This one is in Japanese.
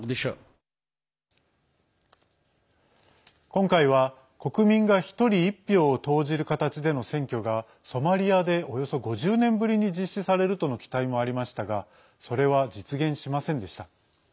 今回は国民が１人１票を投じる形での選挙がソマリアで、およそ５０年ぶりに実施されるとの期待もありましたがそれは実現しませんでした。